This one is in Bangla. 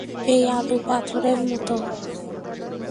এই আলু পাথরের মতো।